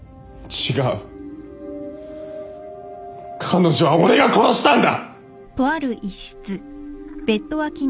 彼女は俺が殺したんだ！